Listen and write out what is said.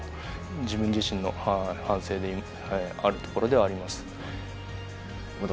自分自身の反省であるところではあります。